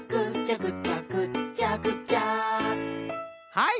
はい！